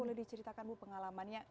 boleh diceritakan bu pengalamannya